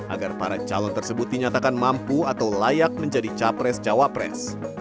agar para calon tersebut dinyatakan mampu atau layak menjadi capres cawapres